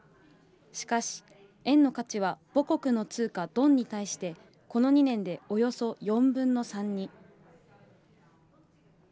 しかし、円の価値は母国の通貨ドンに対して、この２年でおよそ４分の３に。